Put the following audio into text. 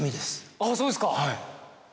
あぁそうですか